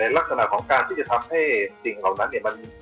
ลักษณะของการที่จะทำให้สิ่งเหล่านั้นเนี่ย